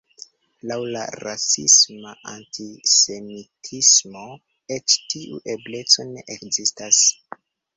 Laŭ la rasisma antisemitismo, eĉ tiu ebleco ne ekzistas.